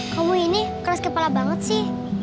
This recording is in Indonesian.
kamu ini keras kepala banget sih